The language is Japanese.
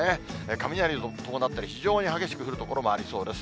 雷を伴ったり、非常に激しく降る所もありそうです。